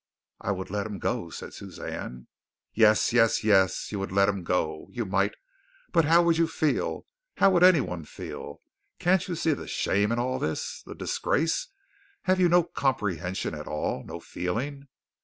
"I would let him go," said Suzanne. "Yes! Yes! Yes! You would let him go. You might, but how would you feel? How would anyone feel? Can't you see the shame in all this, the disgrace? Have you no comprehension at all? No feeling?"